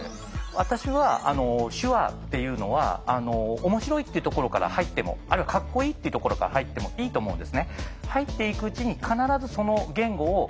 私は手話っていうのは面白いっていうところから入ってもあるいはかっこいいっていうところから入ってもいいと思うんですね。